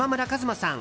馬さん